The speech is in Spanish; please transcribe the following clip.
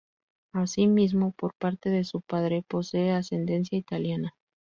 Asimismo, por parte de su padre posee ascendencia italiana.